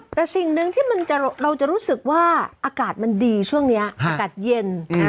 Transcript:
แต่สิ่งหนึ่งที่เราจะรู้สึกว่าอากาศมันดีช่วงนี้อากาศเย็น